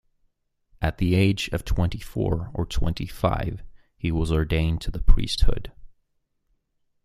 At the age of twenty-four or twenty-five, he was ordained to the priesthood.